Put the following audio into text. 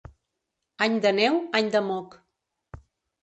Any de neu, any de moc.